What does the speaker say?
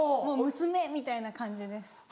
もう娘みたいな感じです。